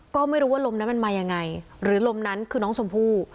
ก็ไม่รู้ว่าลมนั้นมันมายังไงหรือลมนั้นคือน้องชมพู่